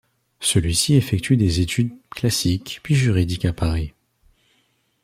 Celui-ci effectue des études classiques puis juridiques à Paris.